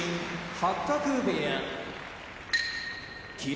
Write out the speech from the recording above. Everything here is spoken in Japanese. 八角部屋霧